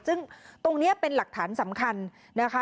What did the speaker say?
ซึ่งตรงนี้เป็นหลักฐานสำคัญนะคะ